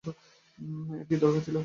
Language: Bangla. এর কী দরকার ছিল?